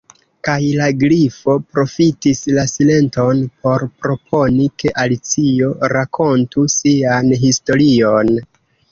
Kaj la Grifo profitis la silenton por proponi ke Alicio rakontu sian historion.